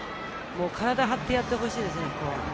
体を張ってやってほしいですね。